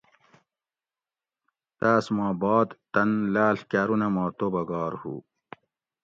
تاس ما بعد تن لاݪ کارونہ ما تُو بہ گار ہو